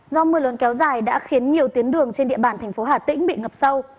do mưa lớn kéo dài đã khiến nhiều tuyến đường trên địa bàn thành phố hà tĩnh bị ngập sâu